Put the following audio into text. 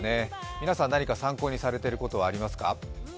皆さん何か参考にされていることはありますか？